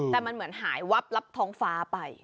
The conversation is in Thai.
แต่มันเหมือนหายวับท้องฟ้าไป